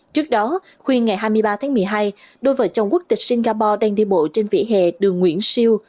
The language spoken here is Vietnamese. trước đó khuya ngày hai mươi ba tháng một mươi hai đôi vợ chồng quốc tịch singapore đang đi bộ trên vỉa hè đường nguyễn siêu